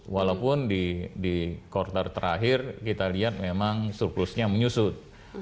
walaupun di kuartal terakhir kita lihat memang surplusnya menyusut